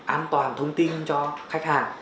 an toàn thông tin cho khách hàng